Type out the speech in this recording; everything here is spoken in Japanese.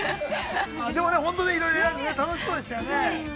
でもね、本当にいろいろ選んでね、楽しそうでしたね。